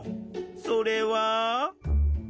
それは。